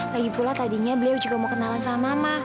lagipula tadinya beliau juga mau kenalan sama mama